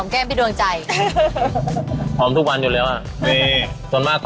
ขอให้ดูหน่อยอยาก